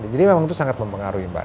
jadi memang itu sangat mempengaruhi mbak